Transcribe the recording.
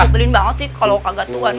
beliin banget sih kalo kagak tuan